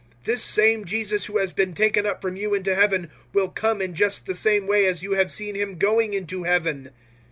This same Jesus who has been taken up from you into Heaven will come in just the same way as you have seen Him going into Heaven."